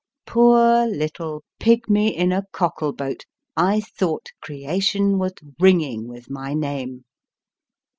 ROBERT BUCHANAN 293 Poor little pigmy in a cockle boat, I thought Creation was ringing with my name